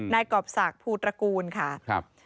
กรอบศักดิ์ภูตระกูลค่ะ